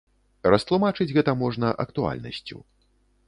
Растлумачыць гэта можна актуальнасцю.